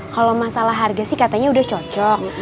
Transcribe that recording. kalau masalah harga sih katanya udah cocok